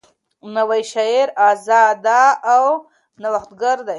نوی شعر آزاده او نوښتګر دی.